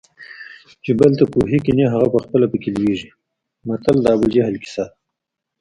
چې بل ته کوهي کني هغه پخپله پکې لویږي متل د ابوجهل کیسه ده